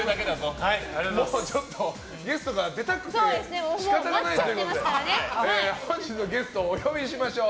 ちょっとゲストが出たくて仕方ないということで本日のゲスト、お呼びしましょう。